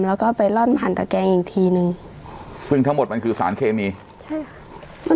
แล้วก็ไปร่อนผ่านตะแกงอีกทีนึงซึ่งทั้งหมดมันคือสารเคมีใช่ค่ะ